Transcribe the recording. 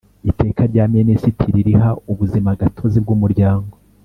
Iteka rya minisitiri riha ubuzimagatozi bw umuryango